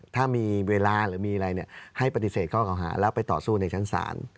ถ้ามีเวลาหรือมีอะไรให้ปฏิเสธข้อเก่าหาแล้วไปต่อสู้ในชั้นศาล